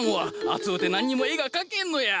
暑うて何にも絵が描けんのや。